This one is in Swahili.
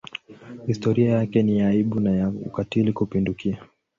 Historia yake ni ya aibu na ya ukatili kupindukia.